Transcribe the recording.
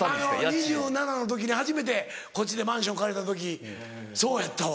２７の時に初めてこっちでマンション借りた時そうやったわ。